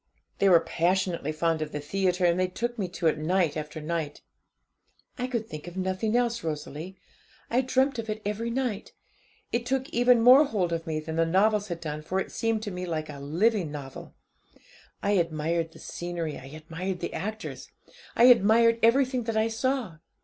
They were passionately fond of the theatre, and they took me to it night after night. 'I could think of nothing else, Rosalie. I dreamt of it every night. It took even more hold of me than the novels had done for it seemed to me like a living novel. I admired the scenery, I admired the actors, I admired everything that I saw.